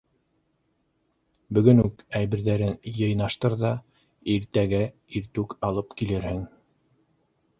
Бөгөн үк әйберҙәрен йыйнаштыр ҙа иртәгә иртүк алып килерһең.